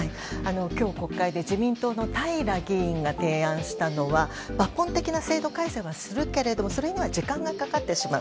今日、国会で自民党の平議員が提案したのは抜本的な制度改正はするけれどもそれには時間がかかってしまう。